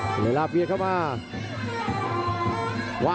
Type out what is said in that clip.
จริงครับ